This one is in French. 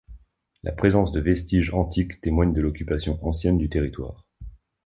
La présence de vestiges antiques témoigne de l'occupation ancienne du territoire.